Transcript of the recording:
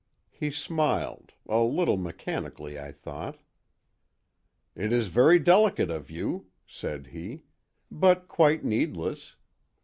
He smiled—a little mechanically, I thought. "It is very delicate of you," said he, "but quite needless.